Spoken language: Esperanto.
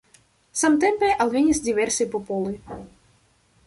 Samtempe alvenis diversaj popoloj.